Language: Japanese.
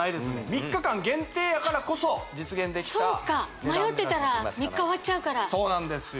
３日間限定やからこそ実現できたそうか迷ってたら３日終わっちゃうからそうなんですよ